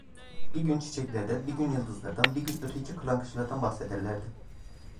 Bir gün çiçeklerden, bir gün yıldızlardan, bir gün öteki kırlangıçlardan bahsederlerdi.